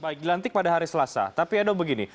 baik dilantik pada hari selasa tapi edo begini